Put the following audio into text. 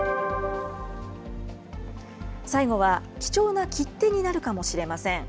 最後は、貴重な切手になるかもしれません。